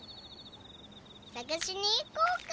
さがしにいこうか？